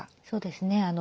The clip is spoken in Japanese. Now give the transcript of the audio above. そうですね。